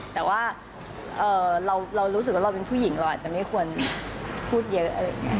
แต่ว่าเรารู้สึกว่าเราเป็นผู้หญิงเราอาจจะไม่ควรพูดเยอะอะไรอย่างนี้